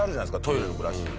トイレのブラシ。